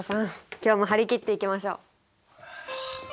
今日も張り切っていきましょう。